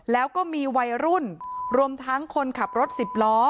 แล้วก็มีวัยรุ่นรวมทั้งคนขับรถสิบล้อ